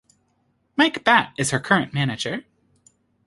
Mike Batt, is her current manager.